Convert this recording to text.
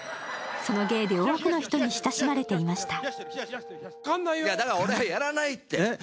その芸で多くの人に親しまれていました。